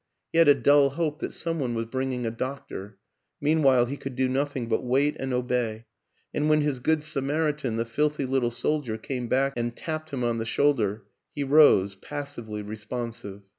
He had a dull hope that some one was bringing a doctor ... meanwhile he could do nothing but wait and obey, and when his good Samaritan, the filthy lit tle soldier, came back and tapped him on the shoulder, he rose, passively responsive.